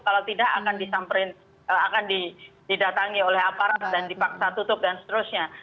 kalau tidak akan didatangi oleh aparat dan dipaksa tutup dan seterusnya